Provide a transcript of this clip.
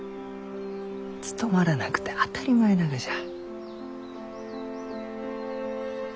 務まらなくて当たり前ながじゃ。